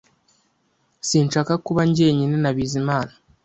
Sinshaka kuba njyenyine na Bizimana